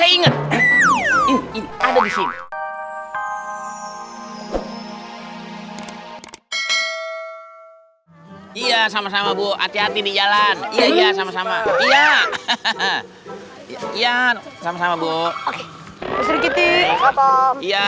iya sama sama bu hati hati di jalan iya sama sama iya